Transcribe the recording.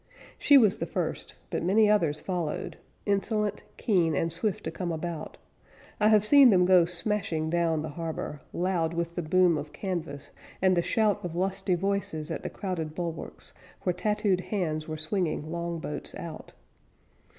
She was the first, but many others followed; Insolent, keen, and swift to come about, I have seen them go smashing down the harbor, Loud with the boom of canvas and the shout Of lusty voices at the crowded bulwarks, Where tattooed hands were swinging long boats out.